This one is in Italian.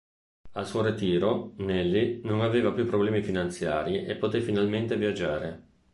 Al suo ritiro Nellie non aveva più problemi finanziari e poté finalmente viaggiare.